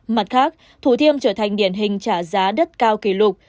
mặt khác thủ thiêm trở thành điển hình trả giá đất cao kỷ lục